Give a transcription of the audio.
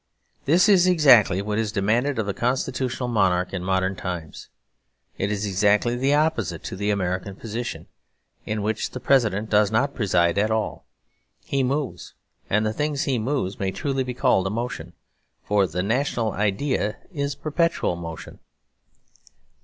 This is exactly what is demanded of the constitutional monarch in modern times. It is exactly the opposite to the American position; in which the President does not preside at all. He moves; and the thing he moves may truly be called a motion; for the national idea is perpetual motion.